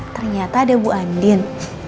ternyata ada bu andien